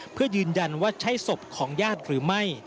เพื่อยืนยันว่าใช่ศพของญาติหรือไม่